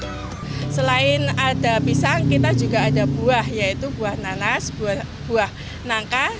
nah selain ada pisang kita juga ada buah yaitu buah nanas buah nangka